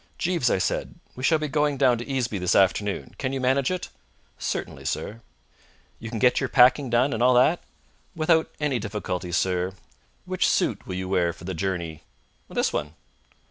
"Jeeves," I said, "we shall be going down to Easeby this afternoon. Can you manage it?" "Certainly, sir." "You can get your packing done and all that?" "Without any difficulty, sir. Which suit will you wear for the journey?" "This one."